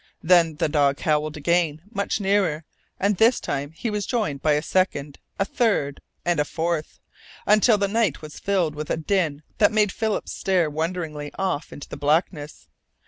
Then the dog howled again, much nearer; and this time he was joined by a second, a third, and a fourth, until the night was filled with a din that made Philip stare wonderingly off into the blackness.